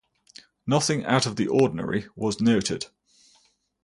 Nothing out of the ordinary was noted.